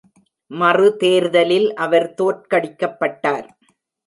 மறுதேர்தலில் அவர் தோற்கடிக்கப்பட்டார்.